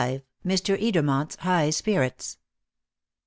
MR. EDERMONT'S HIGH SPIRITS.